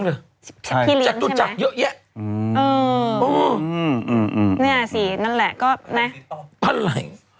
หลิงจากตุจักรเยอะแยะ